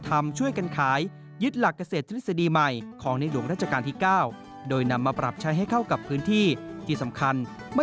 แต่ว่าเป็นอะไรครับพี่ป้อม